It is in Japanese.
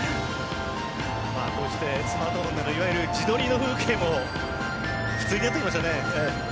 こうしてスマートフォンなどでいわゆる自撮りの風景も普通になってきましたね。